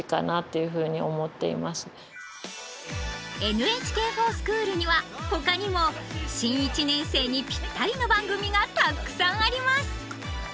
ＮＨＫｆｏｒＳｃｈｏｏｌにはほかにも新１年生にぴったりの番組がたくさんあります。